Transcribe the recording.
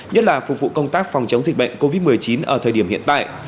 nhất là phục vụ công tác phòng chống dịch bệnh covid một mươi chín ở thời điểm hiện tại